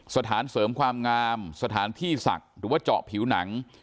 สถานเสริมความงามสถานที่ศักดิ์หรือว่าเจาะผิวหนัง